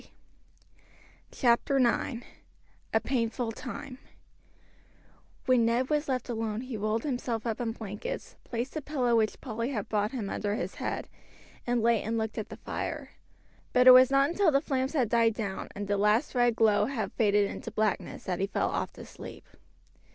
CHAPTER IX: A PAINFUL TIME When Ned was left alone he rolled himself up in the blankets, placed a pillow which Polly had brought him under his head, and lay and looked at the fire; but it was not until the flames had died down, and the last red glow had faded into blackness that he fell off to sleep.